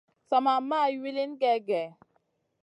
Sa ma maya wilin gey gèh.